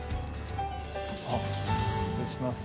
あ失礼します。